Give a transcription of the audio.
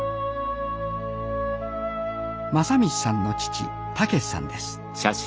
正道さんの父・猛さんです。